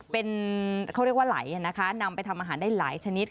เป็นเขาเรียกว่าไหลนะคะนำไปทำอาหารได้หลายชนิด